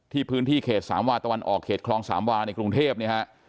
พื้นที่เขตสามวาตะวันออกเขตคลองสามวาในกรุงเทพเนี่ยฮะ